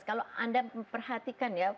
kalau anda perhatikan ya